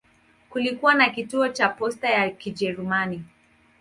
Kulikuwa na kituo cha posta ya Kijerumani.